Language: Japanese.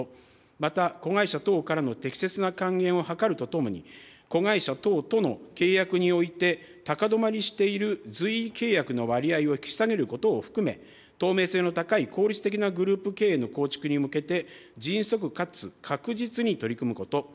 また、子会社等からの適切な還元を図るとともに、子会社等との契約において高止まりしている随意契約の割合を引き下げることを含め、透明性の高い、効率的なグループ経営の構築に向けて、迅速かつ確実に取り組むこと。